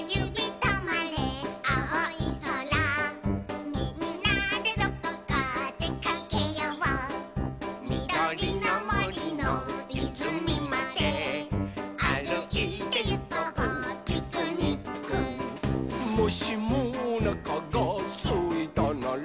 とまれあおいそら」「みんなでどこかでかけよう」「みどりのもりのいずみまであるいてゆこうピクニック」「もしもおなかがすいたなら」